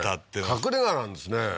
隠れ家なんですね